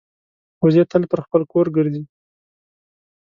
وزې تل پر خپل کور ګرځي